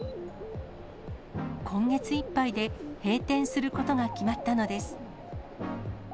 今月いっぱいで閉店することが決まったのです。